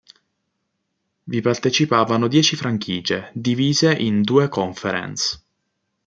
Vi partecipavano dieci franchigie, divise in due "conference".